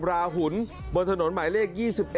ราหุ่นบนถนนหมายเลข๒๑